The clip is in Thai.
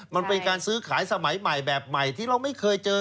มันเป็นการซื้อขายสมัยใหม่แบบใหม่ที่เราไม่เคยเจอ